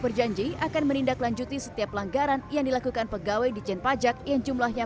berjanji akan menindaklanjuti setiap pelanggaran yang dilakukan pegawai dijen pajak yang jumlahnya